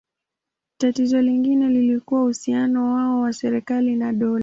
Tatizo lingine lilikuwa uhusiano wao na serikali na dola.